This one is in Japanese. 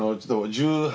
１８？